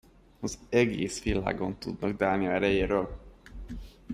Az egész világon tudnak Dánia erejéről.